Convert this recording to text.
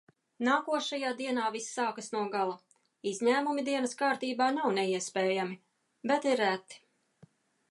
Nākošajā dienā viss sākas no gala. Izņēmumi dienas kārtībā nav neiespējami. Bet ir reti.